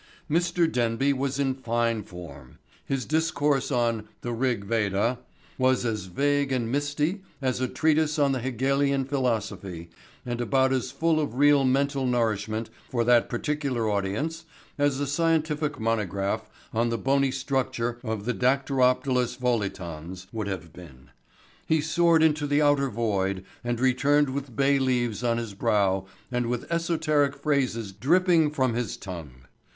Mr. Denby was in fine form. His discourse on "The Rig Veda" was as vague and misty as a treatise on the Hegelian philosophy and about as full of real mental nourishment for that particular audience as a scientific monograph on the bony structure of the dactylopterus volitans would have been. He soared into the outer void and returned with bay leaves on his brow and with esoteric phrases dripping from his tongue.